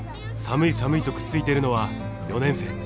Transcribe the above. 寒い寒いとくっついているのは４年生。